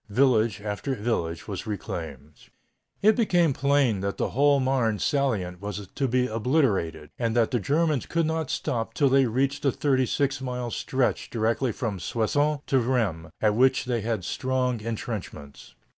Village after village was reclaimed. It became plain that the whole Marne salient was to be obliterated, and that the Germans could not stop till they reached the thirty six mile stretch directly from Soissons to Rheims, at which they had strong intrenchments.